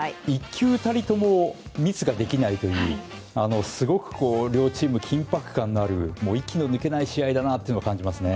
１球たりともミスができないというすごく両チーム、緊迫感のある息の抜けない試合だなと感じますね。